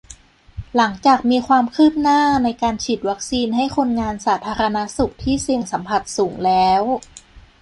หลังจากมีความคืบหน้า ในการฉีดวัคซีนให้คนงานสาธารณสุขที่เสี่ยงสัมผัสสูงแล้ว